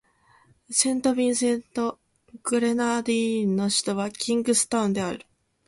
セントビンセント・グレナディーンの首都はキングスタウンである